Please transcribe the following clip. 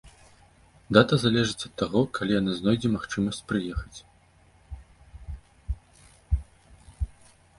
Дата залежыць ад таго, калі яна знойдзе магчымасць прыехаць.